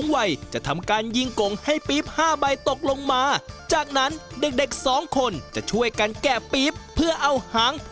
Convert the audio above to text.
ไม่ใช่คือดินดินเปียกหน่อยใช่ไหมคะลุง